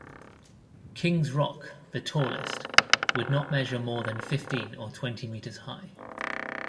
King's Rock, the tallest, would not measure more than fifteen or twenty metres high.